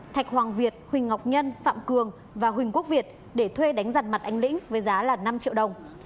thạch hoàng việt huỳnh ngọc nhân phạm cường và huỳnh quốc việt để thuê đánh rằn mặt anh lĩnh với giá là năm triệu đồng